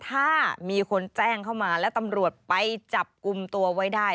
ถ้ามีคนแจ้งเข้ามาและตำรวจไปจับกลุ่มตัวไว้ได้